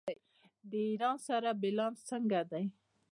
د ایران سره بیلانس څنګه دی؟